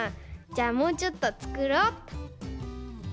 じゃあもうちょっとつくろうっと。